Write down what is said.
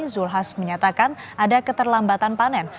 zulkifli hasan menyatakan ada keterlambatan panen